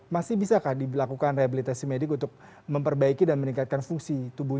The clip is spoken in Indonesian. masih bisakah dilakukan rehabilitasi medik untuk memperbaiki dan meningkatkan fungsi tubuh